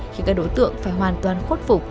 khi các đối tượng phải hoàn toàn khuất phục